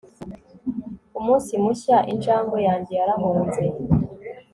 ku munsi mushya, injangwe yanjye yarahunze